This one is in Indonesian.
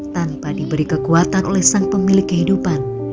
tanpa diberi kekuatan oleh sang pemilik kehidupan